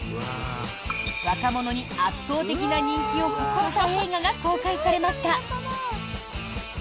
若者に圧倒的な人気を誇った映画が公開されました。